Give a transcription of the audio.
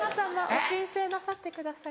お沈静なさってください。